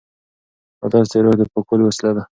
اودس د روح د پاکوالي وسیله ده.